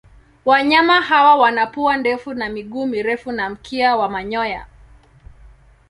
Wanyama hawa wana pua ndefu na miguu mirefu na mkia wa manyoya.